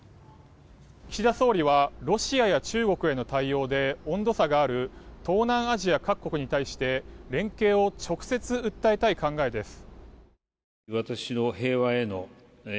岸田総理はロシアや中国への対応で温度差がある東南アジア各国に対して連携を直接訴えたい考えです。